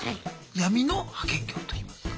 闇の派遣業といいますか。